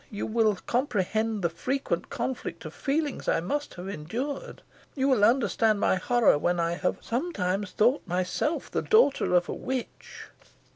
you will comprehend the frequent conflict of feelings I must have endured. You will understand my horror when I have sometimes thought myself the daughter of a witch."